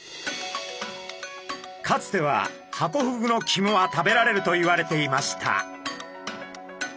かつてはハコフグの肝は食べられるといわれていました。